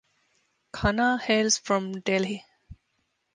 Khanna hails from Delhi.